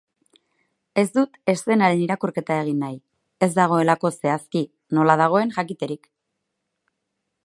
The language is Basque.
Ez dut eszenaren irakurketa egin nahi, ez dagoelako zehazki nola dagoen jakiterik.